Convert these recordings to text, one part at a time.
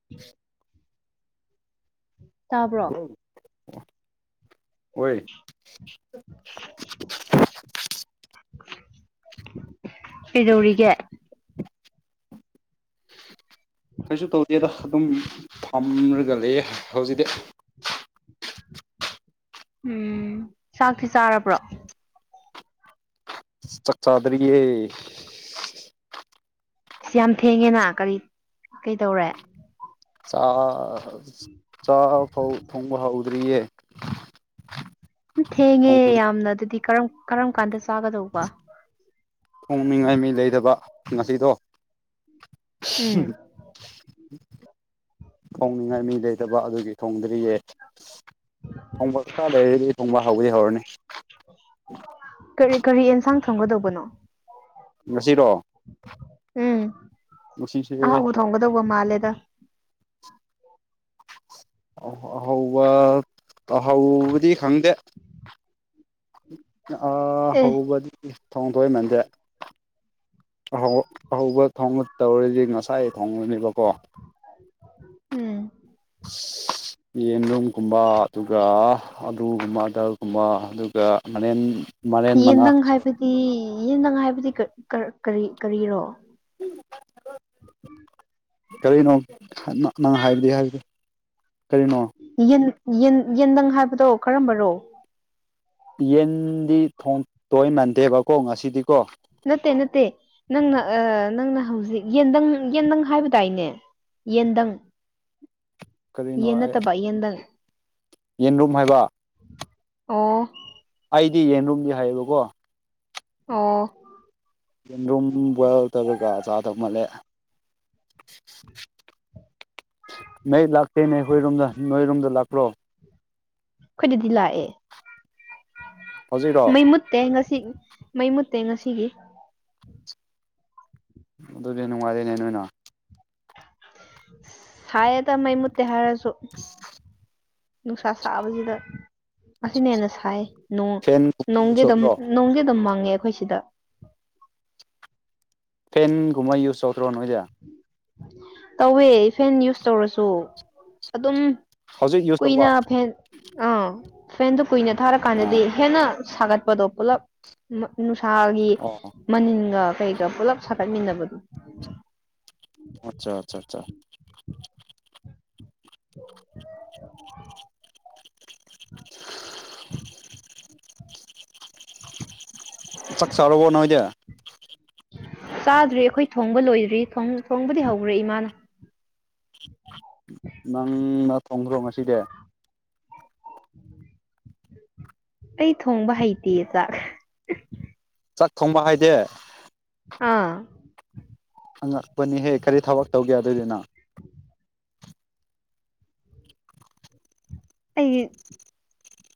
[inaudible] ꯇꯥꯕ꯭ꯔꯣ [unintelligible] ꯑꯣꯏ [inaudible] ꯀꯩꯗꯧꯔꯤꯒꯦ ꯀꯩꯁꯨ ꯇꯧꯗꯦꯗ ꯑꯗꯨꯝ ꯐꯝꯔꯒ ꯂꯩꯌꯦ ꯍꯧꯖꯤꯛꯗꯤ ꯎꯝ ꯆꯥꯛꯇꯤ ꯆꯥꯔꯕ꯭ꯔꯣ ꯆꯥꯛ ꯆꯥꯗꯔꯤꯌꯦ ꯌꯥꯝ ꯊꯦꯡꯉꯦꯅ ꯀꯔꯤ ꯀꯩꯇꯧꯔꯦ ꯆꯥꯛ ꯎꯝ ꯆꯥꯛ ꯐꯥꯎ ꯊꯣꯡꯕ ꯍꯧꯗ꯭ꯔꯤꯌꯦ ꯎꯝ ꯊꯦꯡꯉꯦ ꯌꯥꯝꯅ ꯑꯗꯨꯗꯤ ꯀꯔꯝ ꯀꯔꯝ ꯀꯥꯟꯗ ꯆꯥꯒꯗꯧꯕ ꯊꯣꯡꯅꯤꯡꯉꯥꯏ ꯃꯤ ꯂꯩꯇꯕ ꯉꯁꯤꯗꯣ ꯎꯝ ꯊꯣꯡꯅꯤꯡꯉꯥꯏ ꯃꯤ ꯂꯩꯇꯕ ꯑꯗꯨꯒꯤ ꯊꯣꯡꯗ꯭ꯔꯤꯌꯦ ꯊꯣꯡꯕ ꯈꯔ ꯂꯩꯔꯗꯤ ꯊꯣꯡꯕ ꯍꯧꯗꯤ ꯍꯧꯔꯅꯤ ꯀꯔꯤ ꯀꯔꯤ ꯑꯦꯟꯁꯥꯡ ꯊꯣꯡꯒꯗꯧꯕꯅꯣ ꯉꯁꯤꯔꯣ ꯎꯝ ꯉꯁꯤꯁꯦ ꯑꯍꯥꯎꯕ ꯊꯣꯡꯒꯗꯧꯕ ꯃꯥꯂꯦꯗ ꯑꯍꯥꯎꯕ ꯇꯥꯍꯧꯕꯗꯤ ꯈꯪꯗꯦ ꯑꯥ ꯑꯦ ꯍꯧꯕꯗꯤ ꯊꯣꯡꯇꯣꯏ ꯃꯥꯟꯗꯦ ꯑꯍꯧ ꯑꯍꯧꯕ ꯊꯣꯡꯕ ꯇꯧꯔꯗꯤ ꯉꯁꯥꯏ ꯊꯣꯡꯉꯅꯦꯕꯀꯣ ꯎꯝ [inaudible] ꯌꯦꯟꯂꯨꯝꯒꯨꯝꯕ ꯑꯗꯨꯒ ꯑꯂꯨꯒꯨꯝꯕ ꯑꯇꯔꯒꯨꯝꯕ ꯑꯗꯨꯒ ꯃꯅꯦꯟ ꯌꯦꯟꯗꯪ ꯍꯥꯏꯕꯗꯤ ꯌꯦꯟꯗꯪ ꯍꯥꯏꯕꯗꯤ ꯀꯥ ꯀꯥꯀꯔꯤ ꯀꯔꯤꯔꯣ ꯀꯔꯤꯅꯣ ꯅꯪ ꯍꯥꯏꯕꯗꯤ ꯍꯥꯏꯕꯗꯣ ꯀꯔꯤꯅꯣ ꯌꯦꯟ ꯌꯦꯟ ꯌꯦꯟꯗꯪ ꯍꯥꯏꯕꯗꯣ ꯀꯔꯝꯕꯔꯣ ꯌꯦꯟꯗꯤ ꯊꯣꯡꯇꯣꯏ ꯃꯥꯟꯗꯦꯕꯀꯣ ꯉꯁꯤꯗꯤꯀꯣ ꯅꯠꯇꯦ ꯅꯠꯇꯦ ꯅꯪꯅ ꯅꯪꯅ ꯍꯧꯖꯤꯛ ꯌꯦꯟꯗꯪ ꯌꯦꯟꯗꯪ ꯍꯥꯏꯕ ꯇꯥꯏꯅꯦ ꯌꯦꯟꯗꯪ ꯀꯔꯤꯅꯣ ꯌꯦꯟ ꯅꯠꯇꯕ ꯌꯦꯟꯗꯪ ꯌꯦꯟꯔꯨꯝ ꯍꯥꯏꯕ ꯑꯣ ꯑꯩꯗꯤ ꯌꯦꯟꯔꯨꯝꯗꯤ ꯍꯥꯏꯕꯀꯣ ꯑꯣ ꯌꯦꯟꯔꯨꯝ ꯕꯣꯏꯜ ꯇꯧꯔꯒ ꯆꯥꯗꯧ ꯃꯥꯜꯂꯦ ꯃꯩ ꯂꯥꯛꯇꯦꯅꯦ ꯑꯩꯈꯣꯏꯔꯣꯝꯗ ꯅꯣꯏꯔꯣꯝꯗ ꯂꯥꯛꯄꯔꯣ ꯑꯩꯈꯣꯏꯗꯗꯤ ꯂꯥꯛꯑꯦ ꯍꯧꯖꯤꯛꯔꯣ ꯃꯩꯃꯨꯠ ꯇꯦ ꯉꯁꯤ ꯃꯩꯃꯨꯠꯇꯦ ꯉꯁꯤꯒꯤ ꯑꯗꯨꯗꯤ ꯅꯨꯡꯉꯥꯏꯔꯦꯅꯦ ꯅꯣꯏꯅ ꯁꯥꯌꯦꯗ ꯃꯩ ꯃꯨꯠꯇꯦ ꯍꯥꯏꯔꯁꯨ ꯅꯨꯡꯁꯥ ꯁꯥꯕꯁꯤꯗ ꯑꯁꯤꯅ ꯍꯦꯟꯅ ꯁꯥꯏ ꯅꯣꯡ ꯐꯦꯟ ꯌꯨꯁ ꯅꯣꯡꯗꯤ ꯑꯗꯨꯝ ꯇꯧꯗ꯭ꯔꯣ ꯅꯣꯡꯗꯤ ꯑꯗꯨꯝ ꯃꯪꯉꯦ ꯑꯩꯈꯣꯏ ꯁꯤꯗ ꯐꯦꯟꯒꯨꯝꯕ ꯌꯨꯁ ꯇꯧꯗ꯭ꯔꯣ ꯅꯣꯏꯗꯤ ꯇꯧꯋꯦ ꯐꯦꯟ ꯌꯨꯁ ꯇꯧꯔꯁꯨ ꯑꯗꯨꯝ ꯍꯧꯖꯤꯛ ꯌꯨꯁ ꯇꯧꯕ ꯀꯨꯏꯅ ꯐꯦꯟ ꯑꯥ ꯐꯦꯟꯗꯨ ꯀꯨꯏꯅ ꯑꯣ ꯊꯥꯔꯀꯥꯟꯗꯗꯤ ꯍꯦꯟꯅ ꯁꯥꯒꯠꯄꯗꯣ ꯄꯨꯜꯂꯞ ꯅꯨꯡꯁꯥꯒꯤ ꯑꯣ ꯃꯅꯤꯟꯒ ꯀꯩꯒ ꯄꯨꯜꯂꯞ ꯁꯥꯒꯠꯃꯤꯟꯅꯕꯗꯨ ꯑꯠꯆꯥ ꯆꯥ ꯆꯥ ꯆꯥꯛ ꯆꯥꯔꯕꯣ ꯅꯣꯏꯗꯤ ꯆꯥꯗ꯭ꯔꯤ ꯑꯩꯈꯣꯏ ꯊꯣꯡꯕ ꯂꯣꯏꯗ꯭ꯔꯤ ꯊꯣꯡꯕꯗꯤ ꯍꯧ꯭ꯒꯔꯦ ꯏꯃꯥꯅ ꯅꯪꯅ ꯊꯣꯡꯈ꯭ꯔꯣ ꯉꯁꯤꯗꯤ ꯑꯩ ꯊꯣꯡꯕ ꯍꯩꯇꯤꯌꯦ ꯆꯥꯛ ꯆꯥꯛ ꯊꯣꯡꯕ ꯍꯥꯏꯗꯦ ꯎꯝ ꯑꯉꯛꯄꯅꯤꯍꯦ ꯀꯔꯤ ꯊꯕꯛ ꯇꯧꯒꯦ ꯑꯗꯨꯗꯤ ꯅꯪ ꯑꯩ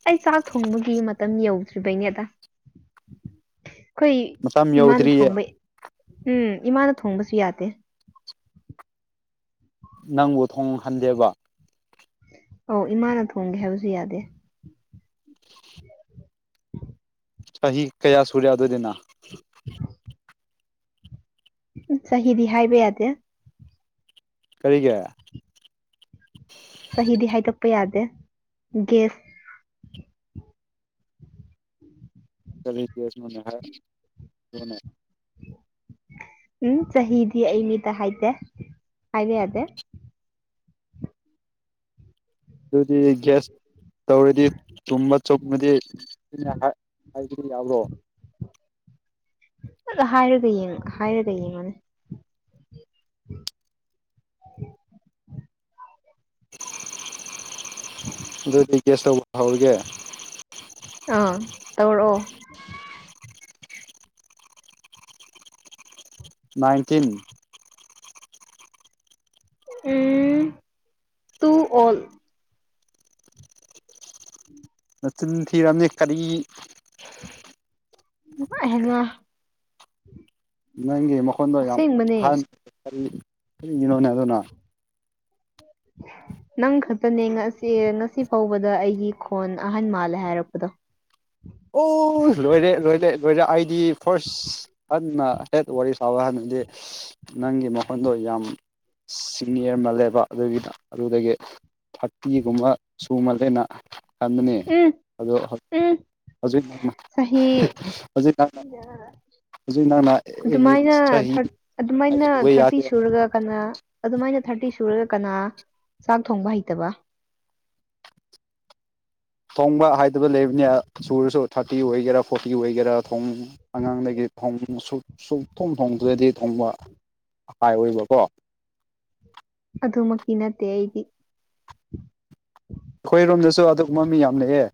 ꯑꯩ ꯆꯥꯛ ꯊꯣꯡꯕꯒꯤ ꯃꯇꯝ ꯌꯧꯗ꯭ꯔꯤꯕꯩꯅꯦꯗ ꯑꯩꯈꯣꯏ ꯃꯇꯝ ꯏꯃꯥꯅ ꯌꯧꯗ꯭ꯔꯤꯌꯦ ꯊꯣꯡꯕꯩ ꯎꯝ ꯏꯃꯥꯅ ꯊꯣꯡꯕꯁꯨ ꯌꯥꯗꯦ ꯅꯪꯕꯨ ꯊꯣꯡꯍꯟꯗꯦꯕ ꯑꯧ ꯏꯃꯥꯅ ꯊꯣꯡꯒꯦ ꯍꯥꯏꯕꯁꯨ ꯌꯥꯗꯦ ꯆꯍꯤ ꯀꯌꯥ ꯁꯨꯔꯦ ꯑꯗꯨꯗꯤ ꯅꯪ [inaudible] ꯆꯍꯤꯗꯤ ꯍꯥꯏꯕ ꯌꯥꯗꯦ ꯀꯔꯤꯒꯤ ꯆꯍꯤꯗꯤ ꯍꯥꯏꯗꯣꯛꯄ ꯌꯥꯗꯦ ꯒꯦꯁ ꯀꯔꯤ ꯒꯦꯁ [unintelligible] ꯎꯝ ꯆꯍꯤꯗꯤ ꯑꯩ ꯃꯤꯗ ꯍꯥꯏꯗꯦ ꯍꯥꯏꯕ ꯌꯥꯗꯦ ꯗꯨꯗꯤ ꯒꯦꯁ ꯇꯧꯔꯗꯤ ꯆꯨꯝꯕꯨ ꯆꯨꯝꯃꯗꯤ ꯑꯩꯅ ꯍꯥꯏ ꯍꯥꯏꯕꯗꯣ ꯌꯥꯕ꯭ꯔꯣ ꯍꯥꯏꯔꯒ ꯌꯦꯡꯉꯣ ꯍꯥꯏꯔꯒ ꯌꯦꯡꯉꯨꯅꯦ [inaudible] [inaudible] [inaudible] ꯑꯗꯨꯗꯤ ꯒꯦꯁ ꯇꯧꯕ ꯍꯧꯔꯒꯦ ꯑꯥ ꯇꯧꯔꯛꯑꯣ ꯅꯥꯏꯟꯇꯤꯟ ꯎꯝ ꯇꯨ ꯑꯣꯜ ꯅꯆꯤꯟ ꯊꯤꯔꯝꯅꯤ ꯀꯔꯤ [unintelligible] ꯅꯪꯒꯤ ꯃꯈꯣꯟꯗꯣ ꯌꯥꯝ ꯑꯁꯦꯡꯕꯅꯦ ꯑꯍꯟ ꯀꯔꯤ ꯀꯔꯤꯒꯤꯅꯣꯅꯦ ꯑꯗꯨꯅ ꯅꯪ ꯈꯛꯇꯅꯦ ꯉꯁꯤ ꯉꯁꯤ ꯐꯥꯎꯕꯗ ꯑꯩꯒꯤ ꯈꯣꯟ ꯑꯍꯟ ꯃꯥꯜꯂꯦ ꯍꯥꯏꯔꯛꯄꯗꯣ ꯑꯣ ꯂꯣꯏꯔꯦ ꯂꯣꯏꯔꯦ ꯂꯣꯏꯔꯦ ꯑꯩꯥꯗꯤ ꯐꯥꯔꯁ ꯑꯗꯨꯅ [unintelligible] ꯋꯥꯔꯤ ꯁꯥꯕ [unintelligible] ꯅꯪꯒꯤ ꯃꯈꯣꯟꯗꯣ ꯌꯥꯝ ꯁꯤꯅꯤꯌꯔ ꯃꯜꯂꯦꯕ ꯑꯗꯨꯒꯤ ꯑꯗꯨꯗꯒꯤ ꯊꯥꯔꯇꯤꯒꯨꯝꯕ ꯁꯨ ꯃꯥꯜꯂꯦꯅ ꯈꯟꯕꯅꯦ ꯎꯝ ꯑꯗꯣ ꯎꯝ ꯍꯧꯖꯤꯛ ꯅꯪꯅ ꯆꯍꯤ ꯍꯧꯖꯤꯛ ꯅꯪꯅ ꯍꯧꯖꯤꯛ ꯅꯪꯅ ꯑꯩꯒꯤ ꯑꯗꯨꯃꯥꯏꯅ ꯆꯍꯤ ꯊꯔ ꯑꯗꯨꯃꯥꯏꯅ ꯁꯨꯕ ꯊꯥꯔꯇꯤ ꯌꯥꯗꯦ ꯁꯨꯔꯒ ꯀꯅꯥ ꯑꯗꯨꯃꯥꯏꯅ ꯊꯥꯔꯇꯤ ꯁꯨꯔꯒ ꯀꯅꯥ ꯆꯥꯛ ꯊꯣꯡꯕ ꯍꯩꯇꯕ ꯊꯣꯡꯕ ꯍꯩꯇꯕ ꯂꯩꯕꯅꯦ ꯁꯨꯔꯁꯨ ꯊꯥꯔꯇꯤ ꯑꯣꯏꯒꯦꯔꯥ ꯐꯣꯔꯇꯤ ꯑꯣꯏꯒꯦꯔꯥ ꯊꯣꯡ ꯑꯉꯥꯡꯗꯒꯤ ꯊꯣꯡ ꯁꯨꯛ ꯁꯨꯛ ꯊꯣꯡ ꯊꯣꯡꯗ꯭ꯔꯥꯗꯤ ꯊꯣꯡꯕ ꯑꯄꯥꯏ ꯑꯣꯏꯕꯀꯣ ꯑꯗꯨꯃꯛꯇꯤ ꯅꯠꯇꯦ ꯑꯩꯗꯤ ꯑꯩꯈꯣꯏꯔꯣꯝꯗꯁꯨ ꯑꯗꯨꯒꯨꯝꯕ ꯃꯤ ꯌꯥꯝ ꯂꯩꯌꯦ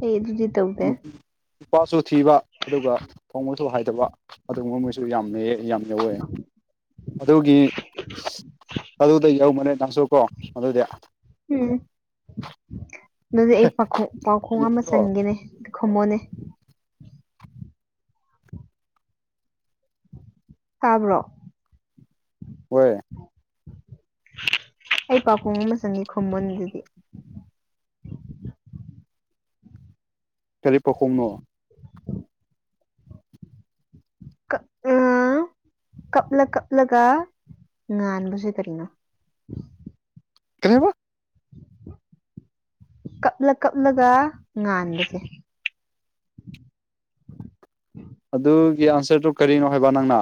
ꯍꯦ ꯑꯗꯨꯗꯤ ꯇꯧꯗꯦ [unintelligible] ꯅꯨꯄꯥꯁꯨ ꯊꯤꯕ ꯑꯗꯨꯒ ꯊꯣꯡꯕꯁꯨ ꯍꯥꯏꯗꯕ ꯑꯗꯨꯒꯨꯝꯕ ꯃꯣꯏꯁꯨ ꯌꯥꯝ ꯂꯩꯌꯦ ꯌꯥꯝ ꯌꯥꯎꯋꯦ ꯑꯗꯨꯒꯤ ꯑꯗꯨꯗ ꯌꯧꯕꯅꯦ ꯅꯪꯁꯨꯀꯣ ꯑꯗꯨꯗꯤ ꯎꯝ ꯑꯗꯨꯗꯤ ꯑꯩ ꯄꯥꯈꯣꯡ ꯄꯥꯎꯈꯣꯡ ꯑꯃ ꯌꯧꯗ꯭ꯔꯣ ꯆꯟꯒꯦꯅꯦ ꯈꯨꯝꯃꯣꯅꯦ ꯇꯕ꯭ꯔꯣ ꯍꯣꯏ [unintelligible] ꯑꯩ ꯄꯥꯈꯨꯡ ꯑꯃ ꯆꯟꯒꯦ ꯈꯨꯝꯃꯨꯅꯦꯗꯨꯗꯤ ꯀꯔꯤ ꯄꯥꯈꯣꯡꯅꯣ ꯀꯥ ꯎꯝ ꯀꯞꯂ ꯀꯞꯂꯒ ꯉꯥꯟꯕꯁꯦ ꯀꯔꯤꯅꯣ ꯀꯔꯤ ꯍꯥꯏꯕ ꯀꯞꯂ ꯀꯞꯂꯒ ꯉꯥꯟꯕꯁꯦ ꯑꯗꯨꯒꯤ ꯑꯟꯁꯔꯗꯨ ꯀꯔꯤꯅꯣ ꯍꯥꯏꯕ ꯅꯪꯅ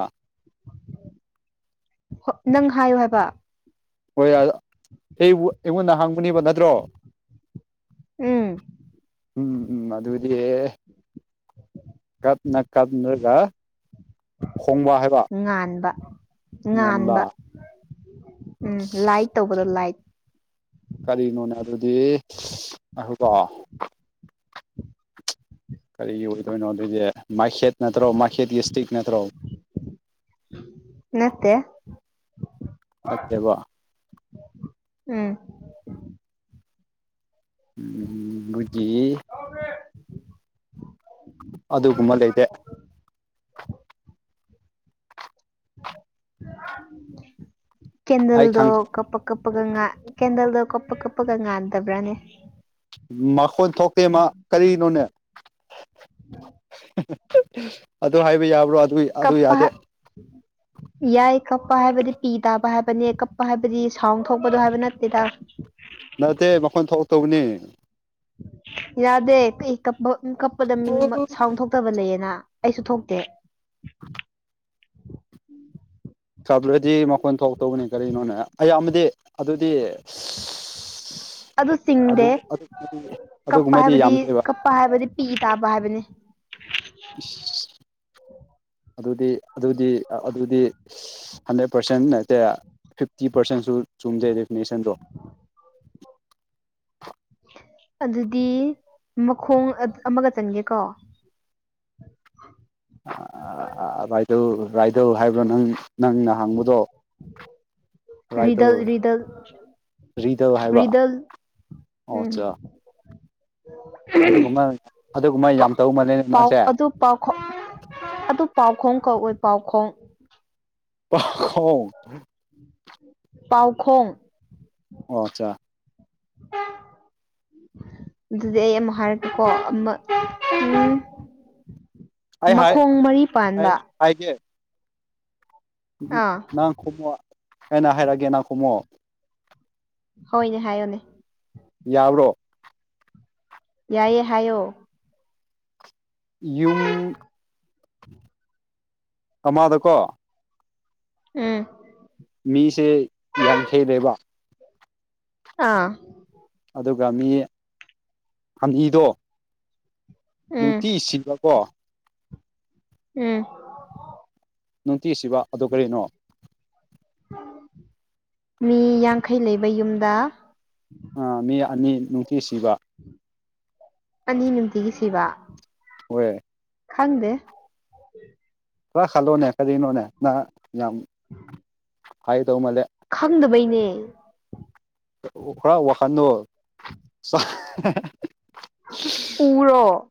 ꯅꯪ ꯍꯥꯏꯌꯣ ꯍꯥꯏꯕ ꯍꯣꯏ ꯌꯥ [unintelligible] ꯑꯩꯉꯣꯟꯗ ꯍꯥꯡꯕꯅꯦꯕ ꯅꯠꯇ꯭ꯔꯣ ꯎꯝ ꯎꯝ ꯎꯝ ꯑꯗꯨꯗꯤ ꯀꯥꯞꯅ ꯀꯥꯞꯅꯒ ꯈꯣꯡꯕ ꯍꯥꯏꯕ ꯉꯥꯟꯕ ꯉꯟꯕ ꯉꯥꯟꯕ ꯎꯝ ꯂꯥꯏꯠ ꯇꯧꯕꯗꯣ ꯂꯥꯏꯠ ꯀꯔꯤꯅꯣꯅꯦ ꯑꯗꯨꯗꯤ ꯉꯥꯏꯈꯣ ꯀꯣ ꯀꯔꯤꯒꯤ ꯑꯣꯏꯗꯣꯏꯅꯣ ꯑꯗꯨꯑꯣꯏꯗꯤ ꯃꯩꯈꯦꯠ ꯅꯠꯇ꯭ꯔꯣ ꯃꯩꯈꯦꯠꯒꯤ ꯏꯁꯇꯤꯛ ꯅꯠꯇ꯭ꯔꯣ ꯅꯠꯇꯦ ꯅꯠꯇꯕ ꯎꯝ ꯎꯝ ꯃꯣꯏꯒꯤ [inaudible] ꯑꯗꯨꯒꯨꯝꯕ ꯂꯩꯇꯦ ꯑꯩ ꯀꯦꯟꯗꯜꯗꯣ ꯈꯪ ꯀꯄ ꯀꯞꯄꯒ ꯉꯥ ꯀꯦꯟꯗꯜꯗꯣ ꯀꯞꯄ ꯀꯞꯄꯒ ꯉꯥꯟꯗꯕ꯭ꯔꯥꯅꯦ ꯃꯈꯣꯟ ꯊꯣꯛꯇꯦ ꯃꯥ ꯀꯔꯤꯅꯣꯅꯦ ꯑꯗꯨ ꯍꯥꯏꯕ ꯌꯥꯕ꯭ꯔꯣ ꯑꯗꯨ ꯑꯗꯨ ꯀꯞꯄꯥ ꯌꯥꯗꯦ ꯌꯥꯏ ꯀꯞꯄ ꯍꯥꯏꯕꯗꯤ ꯄꯤ ꯇꯥꯕ ꯍꯥꯏꯕꯅꯦ ꯀꯞꯄ ꯍꯥꯏꯕꯗꯤ ꯁꯥꯎꯟ ꯊꯣꯛꯄꯗꯣ ꯍꯥꯏꯕ ꯅꯠꯇꯦꯗ ꯅꯠꯇꯦ ꯃꯈꯣꯟ ꯊꯣꯛꯇꯧꯕꯅꯤ ꯌꯥꯗꯦ ꯀ ꯀꯄ ꯀꯞꯄꯗ ꯃꯤ ꯁꯥꯎꯊꯣꯛꯄ ꯊꯣꯛꯇꯕ ꯂꯩꯌꯦꯅ ꯑꯩꯁꯨ ꯊꯣꯛꯇꯦ ꯁꯥꯎꯔꯗꯤ ꯃꯈꯣꯟ ꯊꯣꯛꯇꯧꯕꯅꯤ ꯀꯔꯤꯅꯣꯅꯦ ꯑꯌꯥꯝꯕꯗꯤ ꯑꯗꯨꯗꯤ ꯑꯗꯨ ꯑꯗꯨ ꯆꯤꯡꯗꯦ ꯑꯗꯨꯗꯤ ꯀꯞꯄ ꯑꯗꯨꯒꯨꯝꯕꯗꯤ ꯍꯥꯏꯕꯗꯤ ꯌꯥꯝꯗꯦꯕ ꯀꯞꯄ ꯍꯥꯏꯕꯗꯤ ꯄꯤ ꯇꯥꯕ ꯍꯥꯏꯕꯅꯤ [unintelligible] ꯑꯗꯨꯗꯤ ꯑꯗꯨꯗꯤ ꯑꯗꯨꯗꯤ ꯍꯟꯗ꯭ꯔꯦꯠ ꯄꯥꯔꯁꯦꯟ ꯅꯠꯇꯦ ꯐꯤꯐꯇꯤ ꯄꯥꯔꯁꯦꯟꯁꯨ ꯆꯨꯝꯗꯦ ꯗꯦꯐꯤꯅꯤꯁꯟꯗꯣ ꯑꯗꯨꯗꯤ ꯃꯈꯣꯡ ꯑꯃꯒ ꯆꯟꯒꯦꯀꯣ ꯑꯥ ꯔꯥꯏꯗꯜ ꯔꯥꯏꯗꯜ ꯍꯥꯏꯕ꯭ꯔꯣ ꯅꯪ ꯅꯪꯅ ꯍꯪꯕꯗꯣ ꯍꯥꯏꯗꯜ ꯔꯤꯗꯜ ꯔꯤꯗꯜ ꯔꯤꯗꯜ ꯍꯥꯏꯕ ꯔꯤꯗꯜ ꯎꯝ ꯑꯆꯥ [unintelligible] ꯑꯗꯨꯒꯨꯝꯕ ꯑꯗꯨꯒꯨꯝꯕ ꯌꯥꯝ ꯇꯧ ꯃꯜꯂꯦꯅꯦ ꯅꯪꯁꯦ ꯄꯥꯎꯈꯣꯡ ꯑꯗꯨ ꯄꯥꯎꯈꯣꯡ ꯀꯧꯋꯦ ꯄꯥꯎꯈꯣꯡ ꯄꯥꯎꯈꯣꯡ ꯄꯥꯎꯈꯣꯡ ꯑꯣ ꯑꯆꯥ ꯑꯗꯨꯗꯤ ꯑꯩ ꯑꯃ ꯍꯥꯏꯔꯛꯀꯦꯀꯣ ꯑꯃ ꯎꯝ ꯑꯩ ꯍꯥꯏ ꯃꯈꯣꯡ ꯃꯔꯤ ꯍꯥꯏ ꯄꯥꯟꯕ ꯍꯥꯏꯒꯦ ꯑꯥ ꯅꯪ ꯈꯨꯝꯃꯣ ꯑꯩꯅ ꯍꯥꯏꯔꯛꯑꯒꯦ ꯅꯪ ꯈꯨꯝꯃꯣ ꯍꯣꯏꯅꯦ ꯍꯥꯏꯌꯣꯅꯦ ꯌꯥꯕ꯭ꯔꯣ ꯌꯥꯏꯌꯦ ꯍꯥꯏꯌꯣ ꯌꯨꯝ ꯑꯃꯗꯀꯣ ꯎꯝ ꯃꯤꯁꯦ ꯌꯥꯡꯈꯩꯅꯦꯕ ꯑꯥ ꯑꯗꯨꯒ ꯃꯤ ꯈꯝꯍꯤꯗꯣ ꯎꯝ ꯅꯨꯡꯇꯤ ꯁꯤꯕꯀꯣ ꯎꯝ ꯅꯨꯡꯇꯤꯁꯤꯕ ꯑꯗꯨ ꯀꯔꯤꯅꯣ ꯃꯤ ꯌꯥꯡꯈꯩ ꯂꯩꯕ ꯌꯨꯝꯗ ꯃꯤ ꯑꯅꯤ ꯅꯨꯡꯇꯤ ꯁꯤꯕ ꯑꯅꯤ ꯅꯨꯡꯇꯤꯒꯤ ꯁꯤꯕ ꯍꯣꯋꯦ ꯈꯪꯗꯦ ꯈ ꯈꯜꯂꯣꯅꯦ ꯀꯔꯤꯅꯣꯅꯦ ꯅꯍ ꯌꯥꯝ [inaudible] ꯍꯥꯏꯒꯗꯧ ꯃꯜꯂꯦ ꯈꯪꯗꯕꯩꯅꯦ ꯈꯔ ꯋꯥꯈꯜꯗꯣ [unintelligible] ꯎꯔꯣ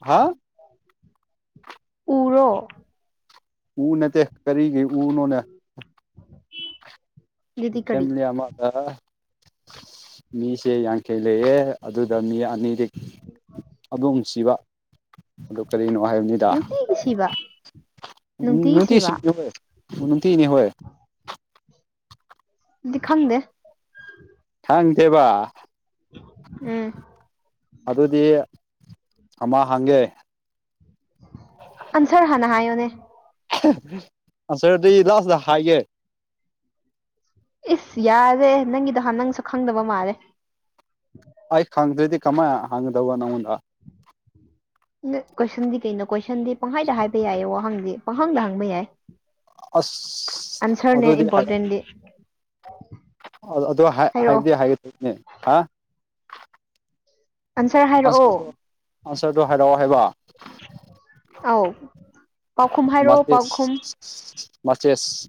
ꯍꯥ ꯎꯔꯣ ꯎ ꯅꯠꯇꯦ ꯀꯔꯤꯒꯤ ꯎꯅꯣꯅ ꯑꯗꯨꯗꯤ ꯀꯔꯤ ꯐꯦꯃꯤꯂꯤ ꯑꯃꯗ ꯃꯤꯁꯦ ꯌꯥꯡꯈꯩ ꯂꯩꯌꯦ ꯑꯗꯨꯗ ꯃꯤ ꯑꯅꯤꯗꯤ ꯑꯗꯨꯝ ꯅꯨꯡꯁꯤꯕ ꯑꯗꯨ ꯀꯔꯤꯅꯣ ꯍꯥꯏꯕꯅꯤ ꯗ ꯅꯨꯡꯇꯤꯒꯤ ꯁꯤꯕ ꯅꯨꯇꯤ ꯁꯤꯕ ꯅꯨꯡꯇꯤꯒꯤꯅꯤ ꯍꯣꯏ ꯑꯗꯨꯗꯤ ꯈꯪꯗꯦ ꯈꯪꯗꯦꯕ ꯎꯝ ꯑꯗꯨꯗꯤ ꯑꯃ ꯍꯪꯒꯦ ꯑꯟꯁꯔ ꯍꯥꯟꯅ ꯍꯥꯏꯌꯣꯅꯦ ꯑꯟꯁꯔꯗꯤ ꯂꯥꯁꯇ ꯍꯥꯏꯒꯦ ꯏꯁ ꯌꯥꯔꯦ ꯅꯪꯒꯤꯗꯣꯍꯥꯟ ꯅꯪꯁꯨ ꯈꯪꯗꯕ ꯃꯥꯜꯂꯦ ꯑꯩ ꯈꯪꯗ꯭ꯔꯦꯥꯗꯤ ꯀꯃꯥꯏ ꯍꯪꯒꯗꯧꯕ ꯅꯪꯉꯣꯟꯗ ꯅ ꯀꯣꯏꯁꯟꯗꯤ ꯀꯩꯅꯣ ꯀꯣꯏꯁꯟꯗꯤ ꯄꯪꯍꯥꯏꯗ ꯍꯥꯏꯕ ꯌꯥꯏꯌꯦ ꯋꯥꯍꯪꯗꯤ ꯄꯪꯍꯪꯗ ꯍꯪꯕ ꯌꯥꯏ ꯑꯁ ꯑꯟꯁꯔꯅꯦ ꯑꯗꯨꯗꯤ ꯍꯥꯏꯔꯛ ꯏꯝꯄꯣꯔꯇꯦꯟꯗꯤ ꯑꯗꯨ ꯑꯗꯨ ꯍꯥꯏꯔꯛꯑꯣ ꯍꯥꯏꯕꯗꯤ ꯍꯥꯢꯒꯅꯤꯅꯦ ꯍꯥ ꯑꯟꯁꯔ ꯍꯥꯏꯔꯛꯑꯣ ꯑꯟꯁꯔꯗꯣ ꯑꯟꯁꯔꯗꯣ ꯍꯥꯏꯔꯛꯑꯣ ꯍꯥꯏꯕ ꯑꯧ ꯄꯥꯎꯈꯨꯝ ꯍꯥꯏꯔꯛꯑꯣ ꯄꯥꯎꯈꯨꯝ ꯃꯥꯆꯦꯁ ꯃꯥꯆꯦꯁ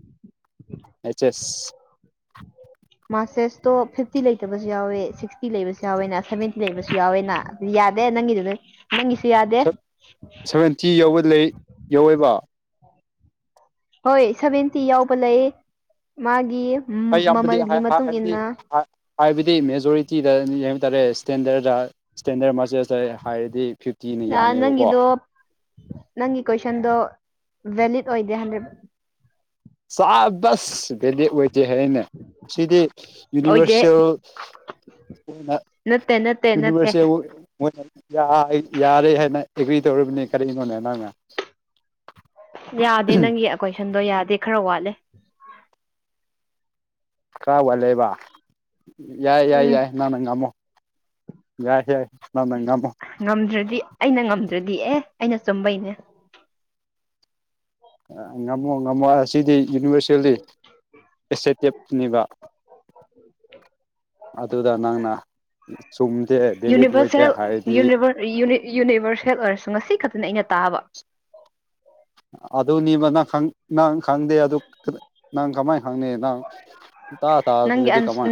ꯃꯦꯠꯆꯦꯁ [inaudible] ꯃꯥꯆꯦꯁꯇꯣ ꯐꯤꯞꯇꯤ ꯂꯩꯇꯕꯁꯨ ꯌꯥꯎꯋꯦ ꯁꯤꯛꯁꯇꯤ ꯂꯩꯕꯁꯨ ꯌꯥꯎꯋꯦꯅ ꯁꯚꯦꯟꯇꯤ ꯂꯩꯕꯁꯨ ꯌꯥꯎꯋꯦꯅ ꯌꯥꯗꯦ ꯅꯪꯒꯤꯗꯨ ꯅꯪꯒꯤꯁꯨ ꯌꯥꯗꯦ ꯁꯚꯦꯟꯇꯤ ꯌꯧꯕ ꯂꯩ ꯌꯧꯋꯦꯕ ꯍꯣꯏ ꯁꯚꯦꯟꯇꯤ ꯌꯥꯎꯕ ꯂꯩ ꯃꯥꯒꯤ ꯃ- ꯑꯩ ꯌꯥꯝꯕꯗꯤ ꯍꯥ ꯃꯃꯜꯒꯤ ꯃꯇꯨꯡ ꯍꯥꯏꯕꯗꯤ ꯏꯟꯅ ꯍꯥꯏ ꯍꯥꯏꯕꯗꯤ ꯃꯦꯖꯣꯔꯤꯇꯤꯗ ꯌꯦꯡꯕ ꯇꯥꯔꯦ ꯁ꯭ꯇꯦꯟꯗꯔꯗ ꯁ꯭ꯇꯦꯟꯗꯔ ꯃꯆꯦꯁ ꯂꯩꯔꯦ ꯍꯥꯏꯔꯗꯤ ꯐꯤꯐꯇꯤꯅꯥ ꯑꯥ, ꯌꯥꯝꯃꯦꯕꯀꯣ ꯅꯪꯒꯤꯗꯣ ꯅꯪꯒꯤ ꯀꯣꯏꯁꯟꯗꯣ ꯚꯦꯂꯤꯠ ꯑꯣꯏꯗꯦ ꯍꯟꯗꯛ ꯁꯥꯞ ꯗꯁ ꯚꯦꯂꯤꯠ ꯑꯣꯏꯗꯦ ꯍꯥꯏꯅꯦ ꯁꯤꯗꯤ ꯑꯣꯏꯗꯦ ꯌꯨꯅꯤꯚꯔꯁꯦꯜ ꯅ ꯅꯠꯇꯦ ꯅꯠꯇꯦ ꯅꯠꯇꯦ ꯌꯨꯅꯤꯚꯔꯁꯦꯜ ꯃꯣꯏꯅ ꯌꯥꯏ ꯌꯥꯔꯦ ꯍꯥꯏꯅ ꯑꯦꯒ꯭ꯔꯤ ꯇꯧꯔꯕꯅꯤ ꯀꯔꯤꯅꯣꯅꯦ ꯅꯪꯅ ꯌꯥꯗꯦ ꯅꯪꯒꯤ ꯀꯣꯏꯁꯟꯗꯣ ꯌꯥꯗꯦ ꯈꯔ ꯋꯥꯠꯂꯦ ꯈꯔ ꯋꯥꯠꯂꯦꯕ ꯌꯥꯏ ꯌꯥꯏ ꯎꯝ ꯌꯥꯏ ꯅꯥ ꯅꯪ ꯉꯃꯣ ꯌꯥꯏ ꯌꯥꯏ ꯪ ꯅꯪꯒꯃꯣ ꯉꯝꯗ꯭ꯔꯗꯤ ꯑꯩꯅ ꯉꯝꯗ꯭ꯔꯗꯤ ꯑꯦ ꯑꯩꯅ ꯆꯨꯝꯕꯩꯅꯦ ꯉꯝꯃꯣ ꯉꯝꯃꯣ ꯑꯁꯤꯗꯤ ꯌꯨꯅꯤꯚꯔꯁꯦꯜꯂꯤ ꯑꯦꯁꯦꯇꯤꯞꯅꯤꯕ [unintelligible] ꯑꯗꯨꯗ ꯅꯪꯅ ꯆꯨꯝꯗꯦ ꯚꯦꯂꯤꯠ ꯑꯣꯏꯗꯦ ꯍꯥꯏꯔꯗꯤ ꯔꯤꯌꯨꯅꯤ ꯌꯨꯅꯤꯕꯔꯁꯦꯜ ꯑꯣꯏꯔꯁꯨ ꯉꯁꯤ ꯈꯛꯇꯅꯦ ꯑꯩꯅ ꯇꯥꯕ ꯑꯗꯨꯅꯤꯕ ꯅꯪ ꯅꯪ ꯈꯪꯗꯦ ꯑꯗꯨ ꯅꯪ ꯀꯃꯥꯏ ꯈꯪꯅꯤꯅꯣ ꯊ ꯅꯪꯒꯤ ꯇꯥꯦꯗꯤ ꯑꯟꯁ ꯀꯃ